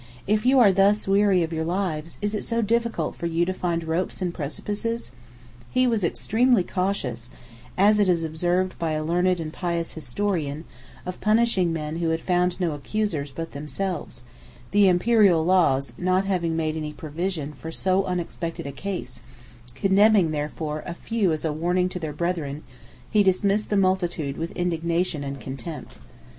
if you are thus weary of your lives, is it so difficult for you to find ropes and precipices?" 96 He was extremely cautious (as it is observed by a learned and picus historian) of punishing men who had found no accusers but themselves, the Imperial laws not having made any provision for so unexpected a case: condemning therefore a few as a warning to their brethren, he dismissed the multitude with indignation and contempt.